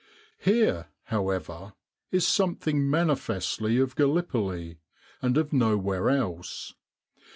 Here, however, is something manifestly of Gallipoli; and of nowhere else.